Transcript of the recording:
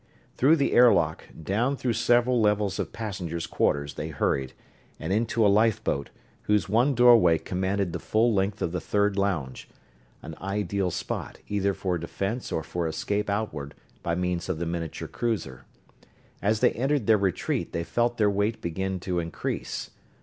Through the airlock, down through several levels of passengers' quarters they hurried, and into a lifeboat, whose one doorway commanded the full length of the third lounge an ideal spot, either for defense or for escape outward by means of the miniature cruiser. As they entered their retreat they felt their weight begin to increase.